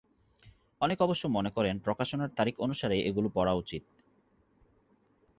অনেকে অবশ্য মনে করেন প্রকাশনার তারিখ অনুসারেই এগুলো পড়া উচিত।